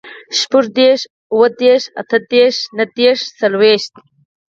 شپوږدېرش, اوهدېرش, اتهدېرش, نهدېرش, څلوېښت